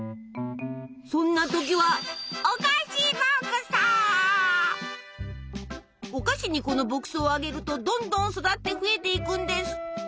そんな時はお菓子にこの牧草をあげるとどんどん育って増えていくんです。